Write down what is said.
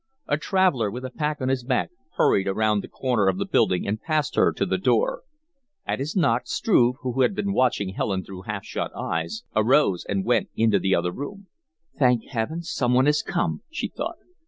A traveller with a pack on his back hurried around the corner of the building and past her to the door. At his knock, Struve, who had been watching Helen through half shut eyes, arose and went into the other room. "Thank Heaven, some one has come," she thought.